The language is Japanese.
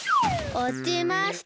おちました。